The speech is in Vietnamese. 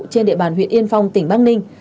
trên địa bàn huyện yên phong tỉnh bắc ninh